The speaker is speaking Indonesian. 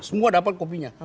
semua dapat kopinya